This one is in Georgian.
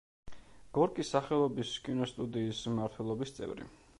გორკის სახელობის კინოსტუდიის მმართველობის წევრი.